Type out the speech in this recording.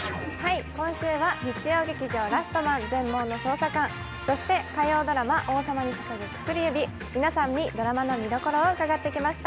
今週は、日曜劇場「ラストマン−全盲の捜査官−」、そして火曜ドラマ「王様に捧ぐ薬指」、皆さんにドラマの見どころを伺ってきました。